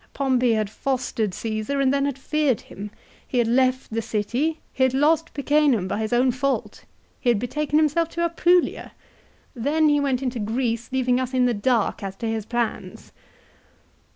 " Pompey had fostered Csesar ; and then had feared him. He had left the city ; he had lost Picenum by his own fault ; he had betaken himself to Apulia ! Then he went into Greece, leaving us in the dark as to his plans